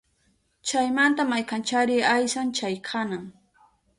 Chaymanta maykanchari aysan chay qanan